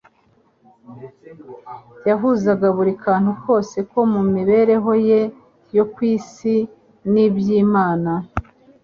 yahuzaga buri kantu kose ko mu mibereho ye yo ku isi n’ibyo Imana